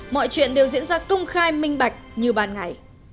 mọi chuyện đều diễn ra công khai minh bạch như ban ngày